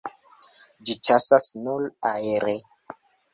Ĝi ĉasas nur aere.